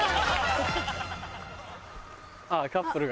あぁカップルが。